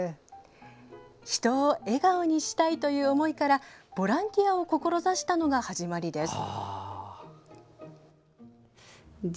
人を笑顔にしたいという思いからボランティアを志したのが始まりです。